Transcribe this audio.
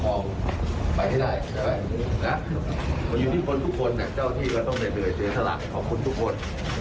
ใช่ไหมนะอยู่ที่คนทุกคนเนี่ยเจ้าที่ก็ต้องเหนื่อยเสียสลักของคนทุกคน